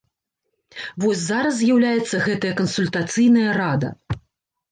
Вось зараз з'яўляецца гэтая кансультацыйная рада.